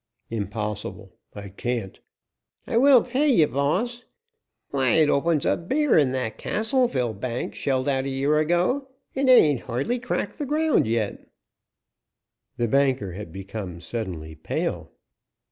"Impossible; I can't " "I will pay ye, boss. Why, it opens up bigger'n that Castleville Bank shelled out a year ago, and I ain't hardly cracked the ground yet." The banker had become suddenly pale.